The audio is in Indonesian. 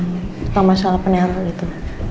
atau masalah penyaruh gitu